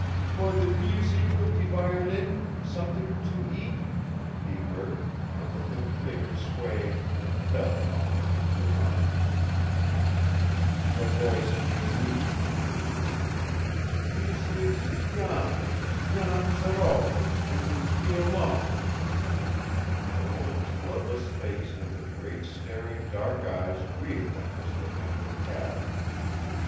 "For the museek of the violon somet'ing to eat!" he heard, and the thin figure swayed and fell almost into his arms. The voice came weak again. "Thees is Jan Jan Thoreau and his violon " The woman's bloodless face and her great staring dark eyes greeted them as they entered the cabin.